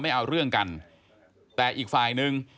ไม่เอาเรื่องกันแต่อีกฝ่ายนึง